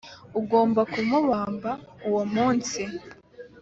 ugomba kumuhamba uwo munsi,